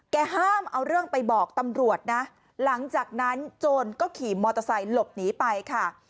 ห้ามเอาเรื่องไปบอกตำรวจนะหลังจากนั้นโจรก็ขี่มอเตอร์ไซค์หลบหนีไปค่ะ